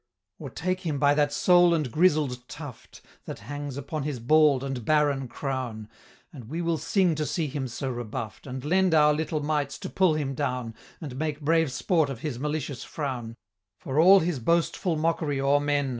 "Or take him by that sole and grizzled tuft, That hangs upon his bald and barren crown; And we will sing to see him so rebuff'd, And lend our little mights to pull him down, And make brave sport of his malicious frown, For all his boastful mockery o'er men.